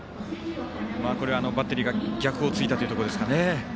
バッテリーが逆をついたというところですかね。